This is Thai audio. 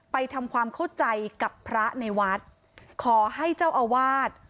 ทำความเข้าใจกับพระในวัดขอให้เจ้าอาวาส